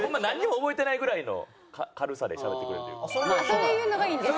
そういうのがいいんですね。